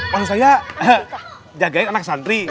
maksud saya jagain anak santri